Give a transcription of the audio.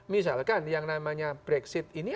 misalkan yang namanya brexit ini